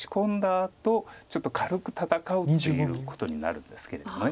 あとちょっと軽く戦うっていうことになるんですけれども。